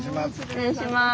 失礼します。